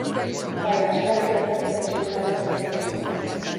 Bai, hasieratik bertatik pentsatutako zerbait izan da.